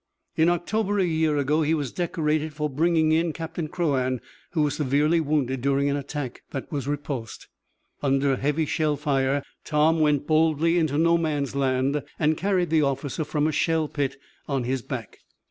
"In October, a year ago, he was decorated for bringing in Captain Crouan, who was severely wounded during an attack that was repulsed. Under heavy shell fire Tom went boldly into no man's land and carried the officer from a shell pit on his back.